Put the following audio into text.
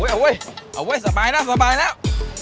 เอาเว้ยเอาเว้ยสบายแล้ว